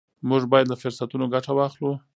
موږ باید له فرصتونو ګټه واخلو.